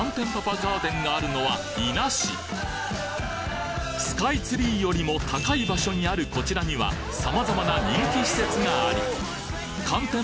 ガーデンがあるのは伊那市スカイツリーよりも高い場所にあるこちらには様々な人気施設がありかんてん